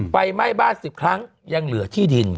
ไฟไหม้บ้าน๑๐ครั้งยังเหลือที่ดิน